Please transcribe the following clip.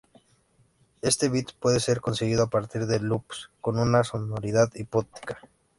Este beat puede ser conseguido a partir de loops con una sonoridad hipnótica.